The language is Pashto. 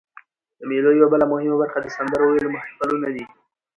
د مېلو یوه بله مهمه برخه د سندرو ویلو محفلونه دي.